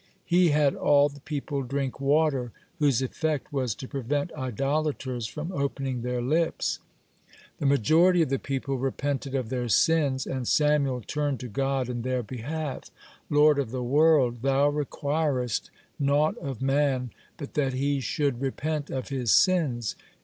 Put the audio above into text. He had all the people drink water, whose effect was to prevent idolaters from opening their lips. (40) The majority of the people repented of their sins, and Samuel turned to God in their behalf: "Lord of the world! Thou requirest naught of man but that he should repent of his sins.